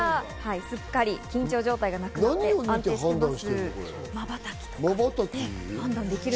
すっかり緊張状態がなくなって安定しています。